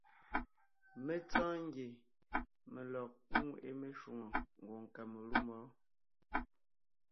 Mé tsɔ́ɔn ngie mé lɔg ńŋweʼe meshwóŋè ngwòŋ Kamalûm wɔ́.